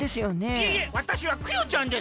いえいえわたしはクヨちゃんです！